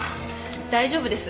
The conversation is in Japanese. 大丈夫です。